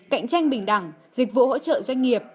cạnh tranh bình đẳng dịch vụ hỗ trợ doanh nghiệp